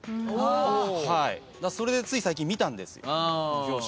それでつい最近見たんです表紙を。